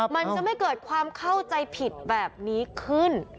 มันจะไม่เกิดความเข้าใจผิดแบบนี้ขึ้น